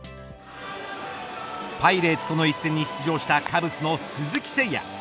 パイレーツとの一戦に出場したカブスの鈴木誠也。